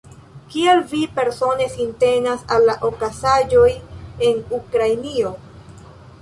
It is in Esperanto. Kiel vi persone sintenas al la okazaĵoj en Ukrainio?